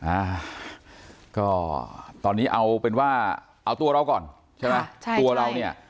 อ่าก็ตอนนี้เอาเป็นว่าเอาตัวเราก่อนใช่ไหมใช่ตัวเราเนี่ย